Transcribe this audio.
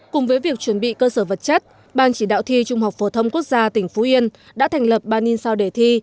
cùng với việc chuẩn bị cơ sở vật chất ban chỉ đạo thi trung học phổ thông quốc gia tỉnh phú yên đã thành lập ban in sao đề thi